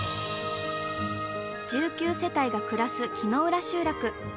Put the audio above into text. １９世帯が暮らす木ノ浦集落。